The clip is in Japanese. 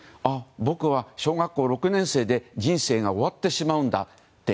僕は小学校６年生で人生が終わってしまうんだって